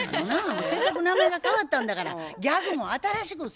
せっかく名前が変わったんだからギャグも新しくせんと。